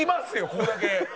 ここだけ。